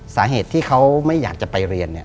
สาเหตุที่เขาไม่อยากจะไปเรียนเนี่ย